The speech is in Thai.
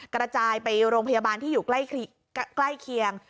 กระจายไปโรงพยาบาลที่อยู่ใกล้เคียง